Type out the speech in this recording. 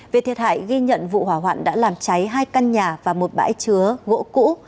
về thiệt hại ghi nhận vụ hỏa hoạn đã làm cháy hai căn nhà và một bãi chứa gỗ cũ